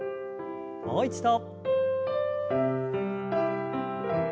もう一度。